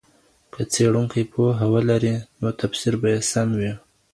که څېړونکی پوهه ولري نو تفسیر به یې سم وي.